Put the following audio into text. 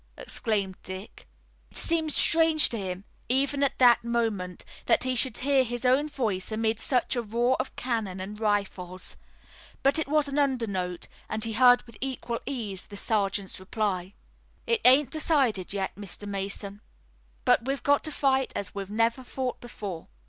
exclaimed Dick. It seemed strange to him, even at that moment, that he should hear his own voice amid such a roar of cannon and rifles. But it was an undernote, and he heard with equal ease the sergeant's reply: "It ain't decided yet, Mr. Mason, but we've got to fight as we never fought before."